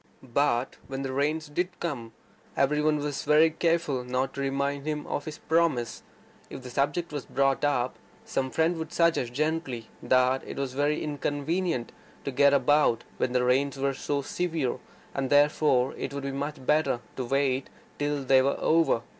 But when the rains did come, every one careful not to remind him of his promise. If the subject was brought up, some friend would suggest gently that it was very inconvenient to get about when the rains were so severe, that it would be much better to wait till they were over.